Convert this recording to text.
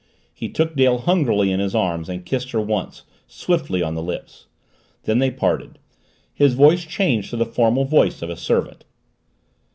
He took Dale hungrily in his arms and kissed her once, swiftly, on the lips. Then they parted his voice changed to the formal voice of a servant.